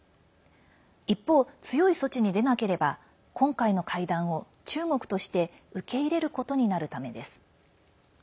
一方、強い措置に出なければ今回の会談を中国として受け入れることになるためです。